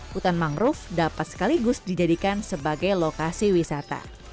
hutan mangrove dapat sekaligus dijadikan sebagai lokasi wisata